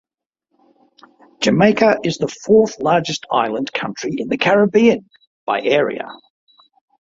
Jamaica is the fourth-largest island country in the Caribbean, by area.